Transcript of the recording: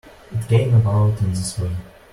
It came about in this way.